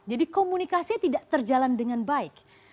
jadi komunikasi tidak terjalan dengan baik